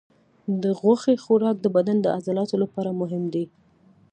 د غوښې خوراک د بدن د عضلاتو لپاره مهم دی.